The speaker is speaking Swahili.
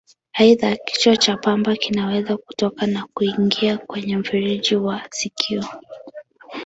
Aidha, kichwa cha pamba kinaweza kutoka na kuingia kwenye mfereji wa sikio.